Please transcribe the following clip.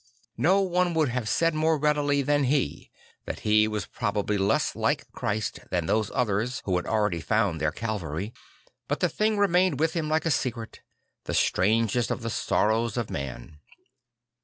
No one would have said more readily than he that he was probably less like Christ than those others who had already found their Calvary; but the thing remained with him like a secret; the strangest of the sorrows of man.